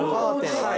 はい。